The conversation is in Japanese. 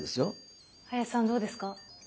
林さんどうですか？